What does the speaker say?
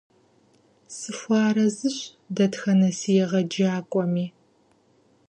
Сахуэарэзыщ дэтхэнэ си егъэджакӀуэми.